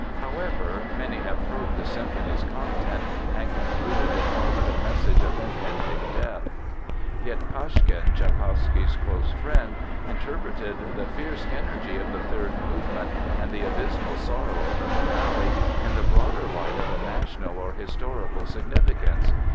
However, many have probed the symphony's content and concluded it harbored a message of impending death. Yet Kashkin, Tschaikowsky's close friend, interpreted the fierce energy of the third movement and the abysmal sorrow of the Finale "in the broader light of a national or historical significance."